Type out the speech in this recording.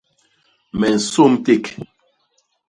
Me nsôm ték.